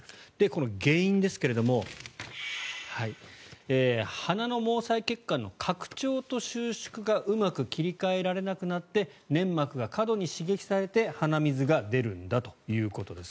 この原因ですが鼻の毛細血管の拡張と収縮がうまく切り替えられなくなって粘膜が過度に刺激されて鼻水が出るんだということです。